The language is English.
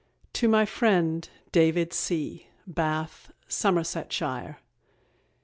_ TO MY FRIEND, DAVID C , BATH, SOMERSETSHIRE.